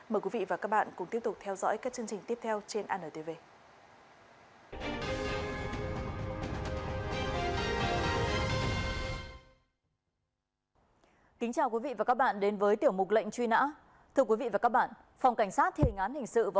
mời quý vị và các bạn cùng tiếp tục theo dõi các chương trình tiếp theo trên antv